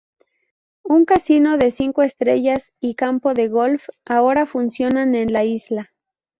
Un casino de cinco estrellas y campo de golf ahora funcionan en la isla.